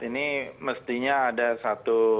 ini mestinya ada satu